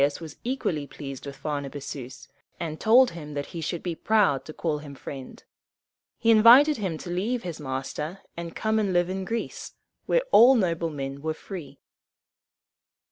Agesilaus was equally pleased with Pharnabazus, and told him that he should be proud to call him friend. He invited him to leave his master, and come and live in Greece, where all noble men were free.